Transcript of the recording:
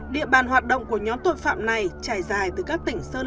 địa bàn hoạt động của nhóm tội phạm này trải dài từ các tỉnh sơn la